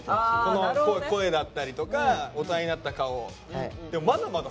この声だったりとか大人になった顔を。